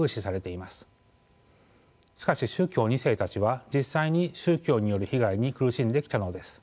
しかし宗教２世たちは実際に宗教による被害に苦しんできたのです。